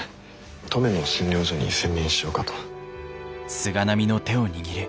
登米の診療所に専念しようかと。